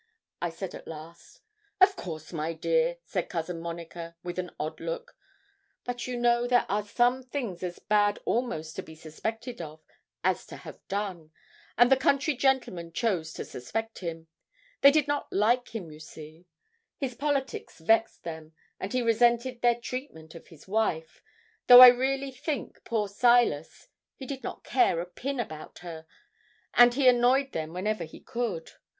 I said at last. 'Of course, my dear,' said Cousin Monica, with an odd look; 'but you know there are some things as bad almost to be suspected of as to have done, and the country gentlemen chose to suspect him. They did not like him, you see. His politics vexed them; and he resented their treatment of his wife though I really think, poor Silas, he did not care a pin about her and he annoyed them whenever he could.